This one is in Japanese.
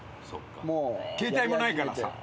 携帯もないからさ。